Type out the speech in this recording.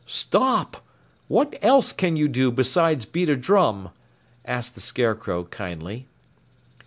"Stop! What else can you do besides beat a drum?" asked the Scarecrow kindly.